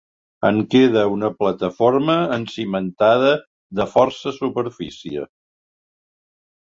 En queda una plataforma encimentada de força superfície.